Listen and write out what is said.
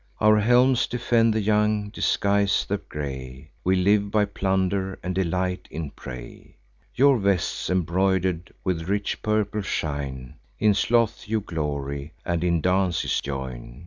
Our helms defend the young, disguise the gray: We live by plunder, and delight in prey. Your vests embroider'd with rich purple shine; In sloth you glory, and in dances join.